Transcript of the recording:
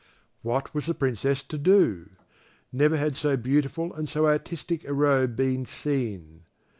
What was the Princess to do? Never had so beautiful and so artistic a robe been seen.